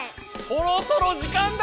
そろそろ時間だ！